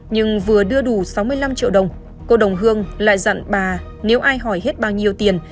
nhưng vừa đưa đủ sáu mươi năm triệu đồng cô đồng hương lại dặn bà nếu ai hỏi hết bao nhiêu tiền